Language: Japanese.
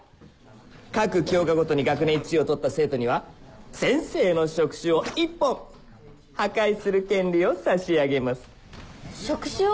各教科ごとに学年１位を取った生徒には先生の触手を１本破壊する権利を差し上げます触手を？